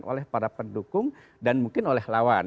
oleh para pendukung dan mungkin oleh lawan